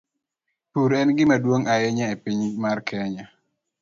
Pur en gima duong ahinya e piny mar Kenya.